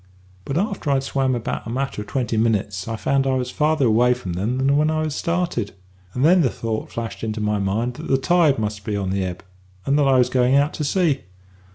"But after I'd swam about a matter of twenty minutes I found I was farther away from 'em than I was when I started; and then the thought flashed into my mind that the tide must be on the ebb, and that I was going out to sea.